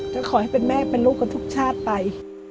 แต่ขอให้เป็นแม่เป็นลูกกันทุกชาติไป